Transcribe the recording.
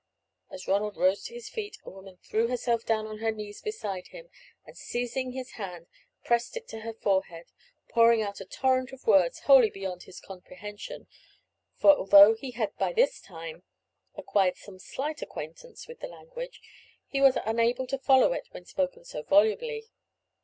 As Ronald rose to his feet a woman threw herself down on her knees beside him, and seizing his hand pressed it to her forehead, pouring out a torrent of words wholly beyond his comprehension, for although he had by this time acquired some slight acquaintance with the language, he was unable to follow it when spoken so volubly.